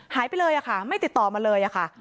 หายไปเลยค่ะไม่ติดต่อมาเลยค่ะ